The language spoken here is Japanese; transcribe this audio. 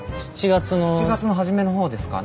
７月の初めのほうですか？